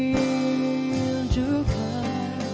mau dikatakan apa lagi